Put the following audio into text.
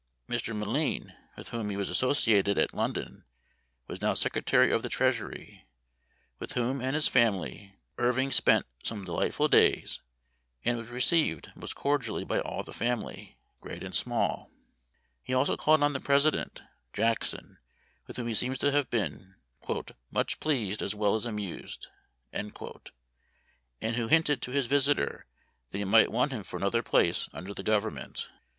Mr. M'Lean, with whom he was associated at London, was now Secretary of the Treasury, with whom and his family, Irving spent some delightful days, and was received most cordially by all the family, great and small. He also called on the President, (Jackson,) with whom he seems to have been "much pleased as well as amused," and who hinted to his visitor that he might want him for another place under the Government.